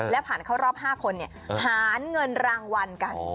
และผ่านเข้ารอบ๕คนหารเงินรางวัลกัน